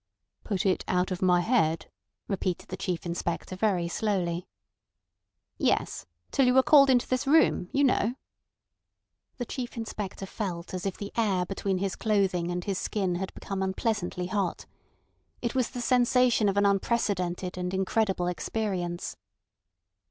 "Put it out of my head," repeated the Chief Inspector very slowly. "Yes. Till you were called into this room—you know." The Chief Inspector felt as if the air between his clothing and his skin had become unpleasantly hot. It was the sensation of an unprecedented and incredible experience.